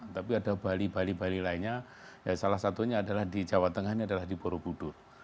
tapi ada bali bali lainnya salah satunya di jawa tengah ini adalah di buru budur